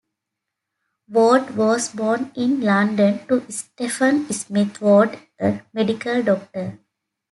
Ward was born in London to Stephen Smith Ward, a medical doctor.